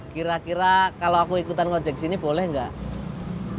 kira kira kalau aku ikutan ngajek sini boleh gak